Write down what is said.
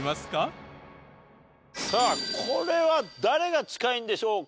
さあこれは誰が近いんでしょうか？